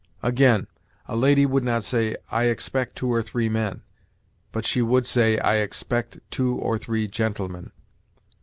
Again, a lady would not say, 'I expect two or three men,' but she would say, 'I expect two or three gentlemen.'